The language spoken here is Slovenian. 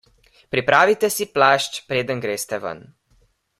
Pripravite si plašč preden greste ven.